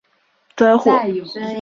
引申为无端招惹灾祸。